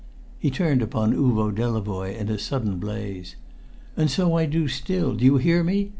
He turned upon Uvo Delavoye in a sudden blaze. "And so I do still do you hear me?